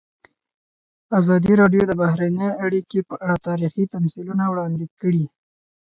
ازادي راډیو د بهرنۍ اړیکې په اړه تاریخي تمثیلونه وړاندې کړي.